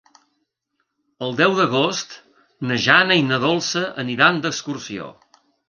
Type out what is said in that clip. El deu d'agost na Jana i na Dolça aniran d'excursió.